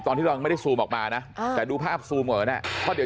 ตอนที่เราไม่ได้ซูมออกมานะอ่าแต่ดูภาพซูมกันเนี้ย